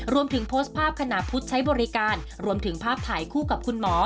รวมถึงโพสต์ภาพขณะพุทธใช้บริการรวมถึงภาพถ่ายคู่กับคุณหมอ